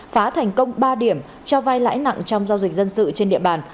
phá thành công ba điểm cho vai lãi nặng trong giao dịch dân sự trên địa bàn